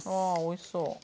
ああおいしそう。